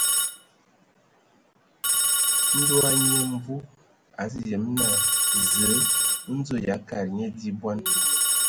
Ndɔ Nyia Mvu a azu yem naa Zǝǝ ndzo e akad nye di bɔn.